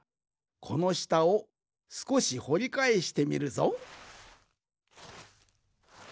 このしたをすこしほりかえしてみるぞ。